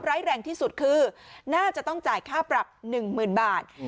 ไร้แรงที่สุดคือน่าจะต้องจ่ายค่าปรับหนึ่งหมื่นบาท